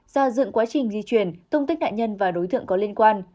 gia dựng quá trình di chuyển thông tích nạn nhân và đối tượng có liên quan